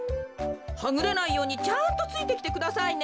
はぐれないようにちゃんとついてきてくださいね。